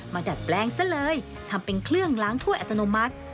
ดัดแปลงซะเลยทำเป็นเครื่องล้างถ้วยอัตโนมัติ